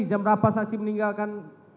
jam berapa saksi meninggalkan